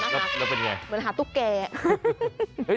แล้วเป็นอย่างไรนะครับเหมือนหาตุ๊กแก